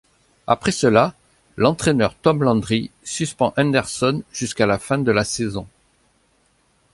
Après cela, l'entraineur Tom Landry suspend Henderson jusqu'à la fin de la saison.